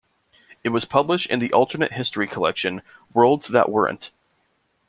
It was published in the alternate history collection "Worlds That Weren't".